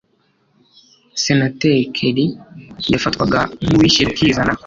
Senateri Kerry yafatwaga nkuwishyira ukizana.